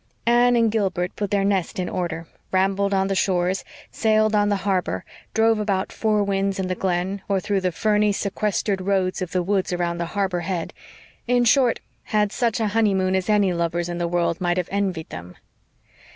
Anne and Gilbert put their nest in order, rambled on the shores, sailed on the harbor, drove about Four Winds and the Glen, or through the ferny, sequestered roads of the woods around the harbor head; in short, had such a honeymoon as any lovers in the world might have envied them.